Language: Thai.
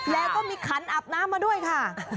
แล้วก็มีขันอาบน้ำมาด้วยค่ะ